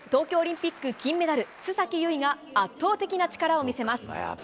東京オリンピック金メダル、須崎優衣が圧倒的な力を見せます。